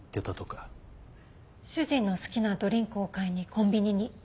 主人の好きなドリンクを買いにコンビニに。